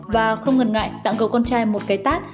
và không ngần ngại tặng cầu con trai một cái tát